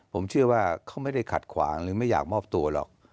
ผมเชื่อว่าเขาไม่ได้ขัดขวางหรือไม่อยากมอบตัวหรอก